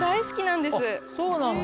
あっそうなんだ。